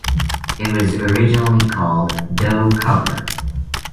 It was originally called Dough Cover.